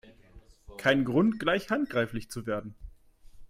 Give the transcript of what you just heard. Kein Grund, gleich handgreiflich zu werden